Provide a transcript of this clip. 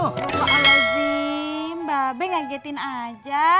pak aladzim mbak be ngagetin saja